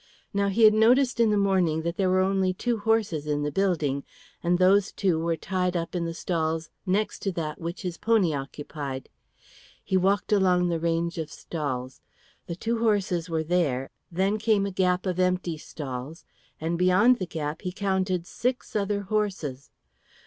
Now he had noticed in the morning that there were only two horses in the building, and those two were tied up in the stalls next to that which his pony occupied. He walked along the range of stalls. The two horses were there, then came a gap of empty stalls, and beyond the gap he counted six other horses.